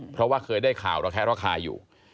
เพราะว่าเคยได้ข่าวราคาอยู่